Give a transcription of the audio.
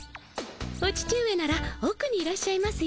お父上ならおくにいらっしゃいますよ。